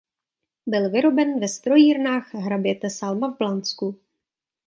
Byl vyroben ve Strojírnách hraběte Salma v Blansku.